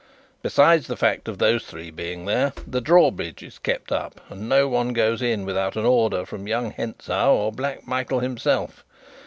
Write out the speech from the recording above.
Besides the fact of those three being there, the drawbridge is kept up, and no one goes in without an order from young Hentzau or Black Michael himself.